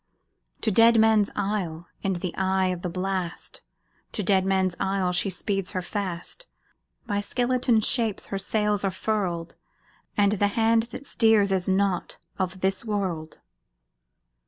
To Deadman's Isle, in the eye of the blast, To Deadman's Isle, she speeds her fast; By skeleton shapes her sails are furled, And the hand that steers is not of this world!